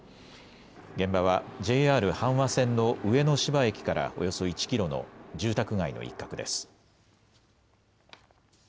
現場はＪＲ阪和線の上野芝駅からおよそ１キロの住宅街の一角です。